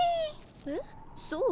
えっそう？